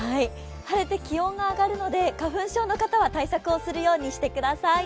晴れて気温が上がるので花粉症の方は対策をするようにしてください。